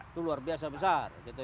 itu luar biasa besar